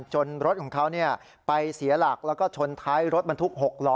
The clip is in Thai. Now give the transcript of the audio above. รถของเขาไปเสียหลักแล้วก็ชนท้ายรถบรรทุก๖ล้อ